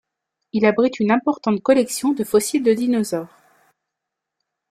Il abrite une importante collection de fossiles de dinosaures.